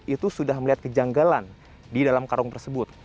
itu sudah melihat kejanggalan di dalam karung tersebut